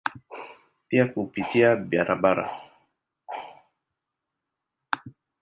Pia kupitia barabara.